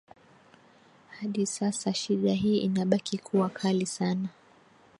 Hadi sasa shida hii inabaki kuwa kali sana